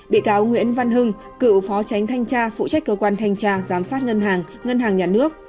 bị cáo nguyễn văn hưng cựu phó tránh thanh tra phụ trách cơ quan thanh tra giám sát ngân hàng ngân hàng nhà nước